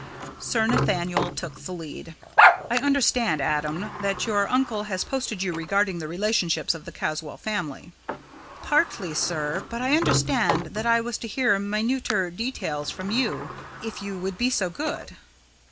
Sir Nathaniel took the lead. "I understand, Adam, that your uncle has posted you regarding the relationships of the Caswall family?" "Partly, sir; but I understood that I was to hear minuter details from you if you would be so good."